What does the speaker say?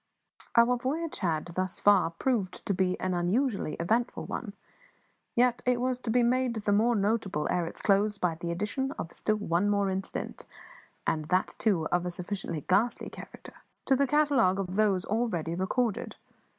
Our voyage had, thus far, proved to be an unusually eventful one; yet it was to be made the more notable ere its close by the addition of still one more incident, and that, too, of a sufficiently ghastly character, to the catalogue of those already recorded.